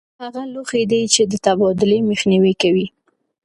ترموز هغه لوښي دي چې د تبادلې مخنیوی کوي.